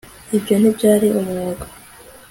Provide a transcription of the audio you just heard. ibyo ntibyari umwuga